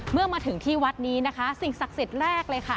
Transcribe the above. เมื่อมาถึงที่วัดนี้นะคะสิ่งศักดิ์สิทธิ์แรกเลยค่ะ